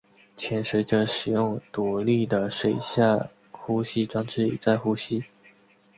潜水者使用独立的水下呼吸装置以在呼吸。